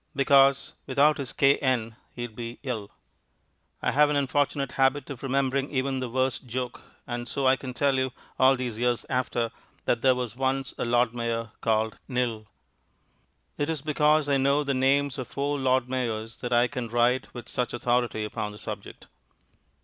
Because without his K.N., he'd be ill." I have an unfortunate habit of remembering even the worst joke, and so I can tell you, all these years after, that there was once a Lord Mayor called Knill. It is because I know the names of four Lord Mayors that I can write with such authority upon the subject.